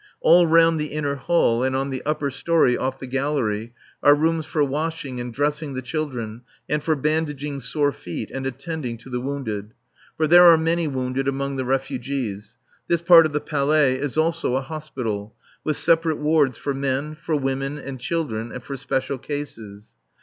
All round the inner hall and on the upper story off the gallery are rooms for washing and dressing the children and for bandaging sore feet and attending to the wounded. For there are many wounded among the refugees. This part of the Palais is also a hospital, with separate wards for men, for women and children and for special cases.